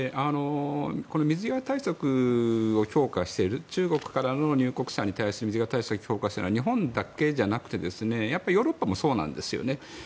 この水際対策を強化している中国からの入国者に対する水際対策を強化したのは日本だけじゃなくてヨーロッパもそうなんですよね。